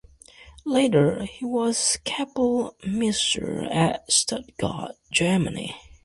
Later he was kapellmeister at Stuttgart, Germany.